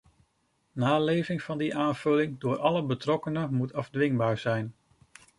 Naleving van die aanvulling door alle betrokkenen moet afdwingbaar zijn.